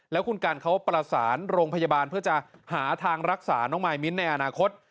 แล้วคุณกันเขาประสานโรงพยาบาลเพื่อจะหาทางรักษาน้องมายมิ้นในอนาคต